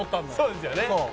「そうですよね。